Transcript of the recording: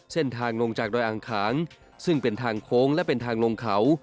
เส้นทางลงจากดอยอังขางซึ่งเป็นทางโค้งและเป็นทางลงเขา